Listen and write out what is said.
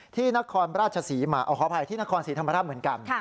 ที่นครราชศรีเหมือนกัน